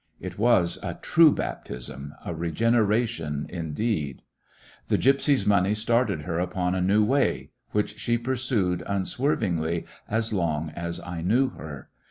It was a true baptism, a regeneration indeed ! The gypsy's money started her upon a new way, which she pursued unswervingly as long as I knew her.